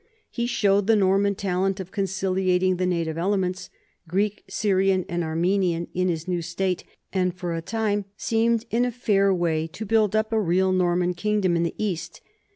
He showed the Norman talent of con ciliating the native elements Greek, Syrian, and Ar menian in his new state, and for a time seemed in a fair way to build up a real Norman kingdom in the East.